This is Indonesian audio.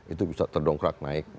itu bisa terdongkrak naik